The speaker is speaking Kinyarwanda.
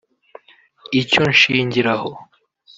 « Icyo nshingiraho